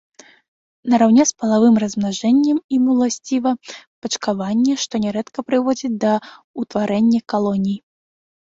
Нараўне з палавым размнажэннем ім уласціва пачкаванне, што нярэдка прыводзіць да ўтварэння калоній.